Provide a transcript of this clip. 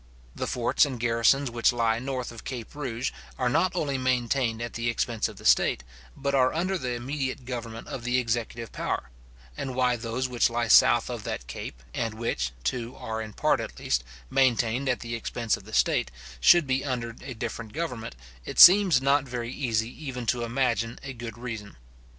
The forts and garrisons which lie north of Cape Rouge, are not only maintained at the expense of the state, but are under the immediate government of the executive power; and why those which lie south of that cape, and which, too, are, in part at least, maintained at the expense of the state, should be under a different government, it seems not very easy even to imagine a good reason.